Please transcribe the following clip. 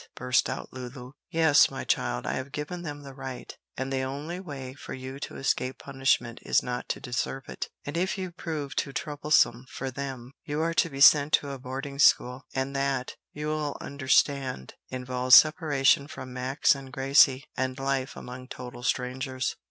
burst out Lulu. "Yes, my child, I have given them the right, and the only way for you to escape punishment is not to deserve it. And if you prove too troublesome for them, you are to be sent to a boarding school, and that, you will understand, involves separation from Max and Gracie, and life among total strangers."